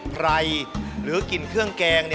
หรือกลิ่นเครื่องแกง